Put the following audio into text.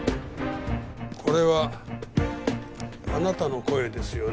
これはあなたの声ですよね？